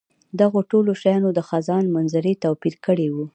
دغو ټولو شیانو د خزان منظرې توپیر کړی وو.